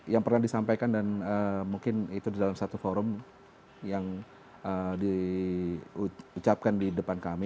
yang pernah disampaikan dan mungkin itu dalam satu forum yang diucapkan di depan kami